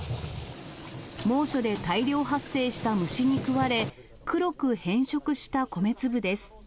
猛暑で大量発生した虫に食われ、黒く変色した米粒です。